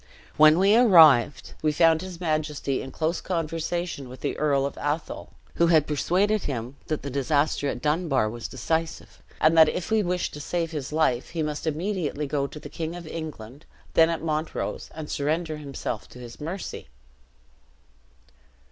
When we arrived, we found his majesty in close conversation with the Earl of Athol, who had persuaded him the disaster at Dunbar was decisive, and that if he wished to save his life, he must immediately go to the King of England, then at Montrose, and surrender himself to his mercy.